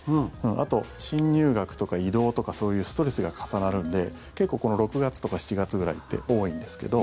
あと新入学とか異動とかそういうストレスが重なるので結構この６月とか７月ぐらいって多いんですけど。